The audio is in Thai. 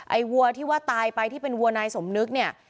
วัวที่ว่าตายไปที่เป็นวัวนายสมนึกเนี่ย